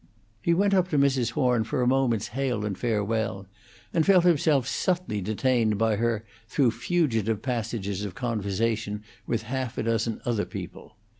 He went up to Mrs. Horn for a moment's hail and farewell, and felt himself subtly detained by her through fugitive passages of conversation with half a dozen other people.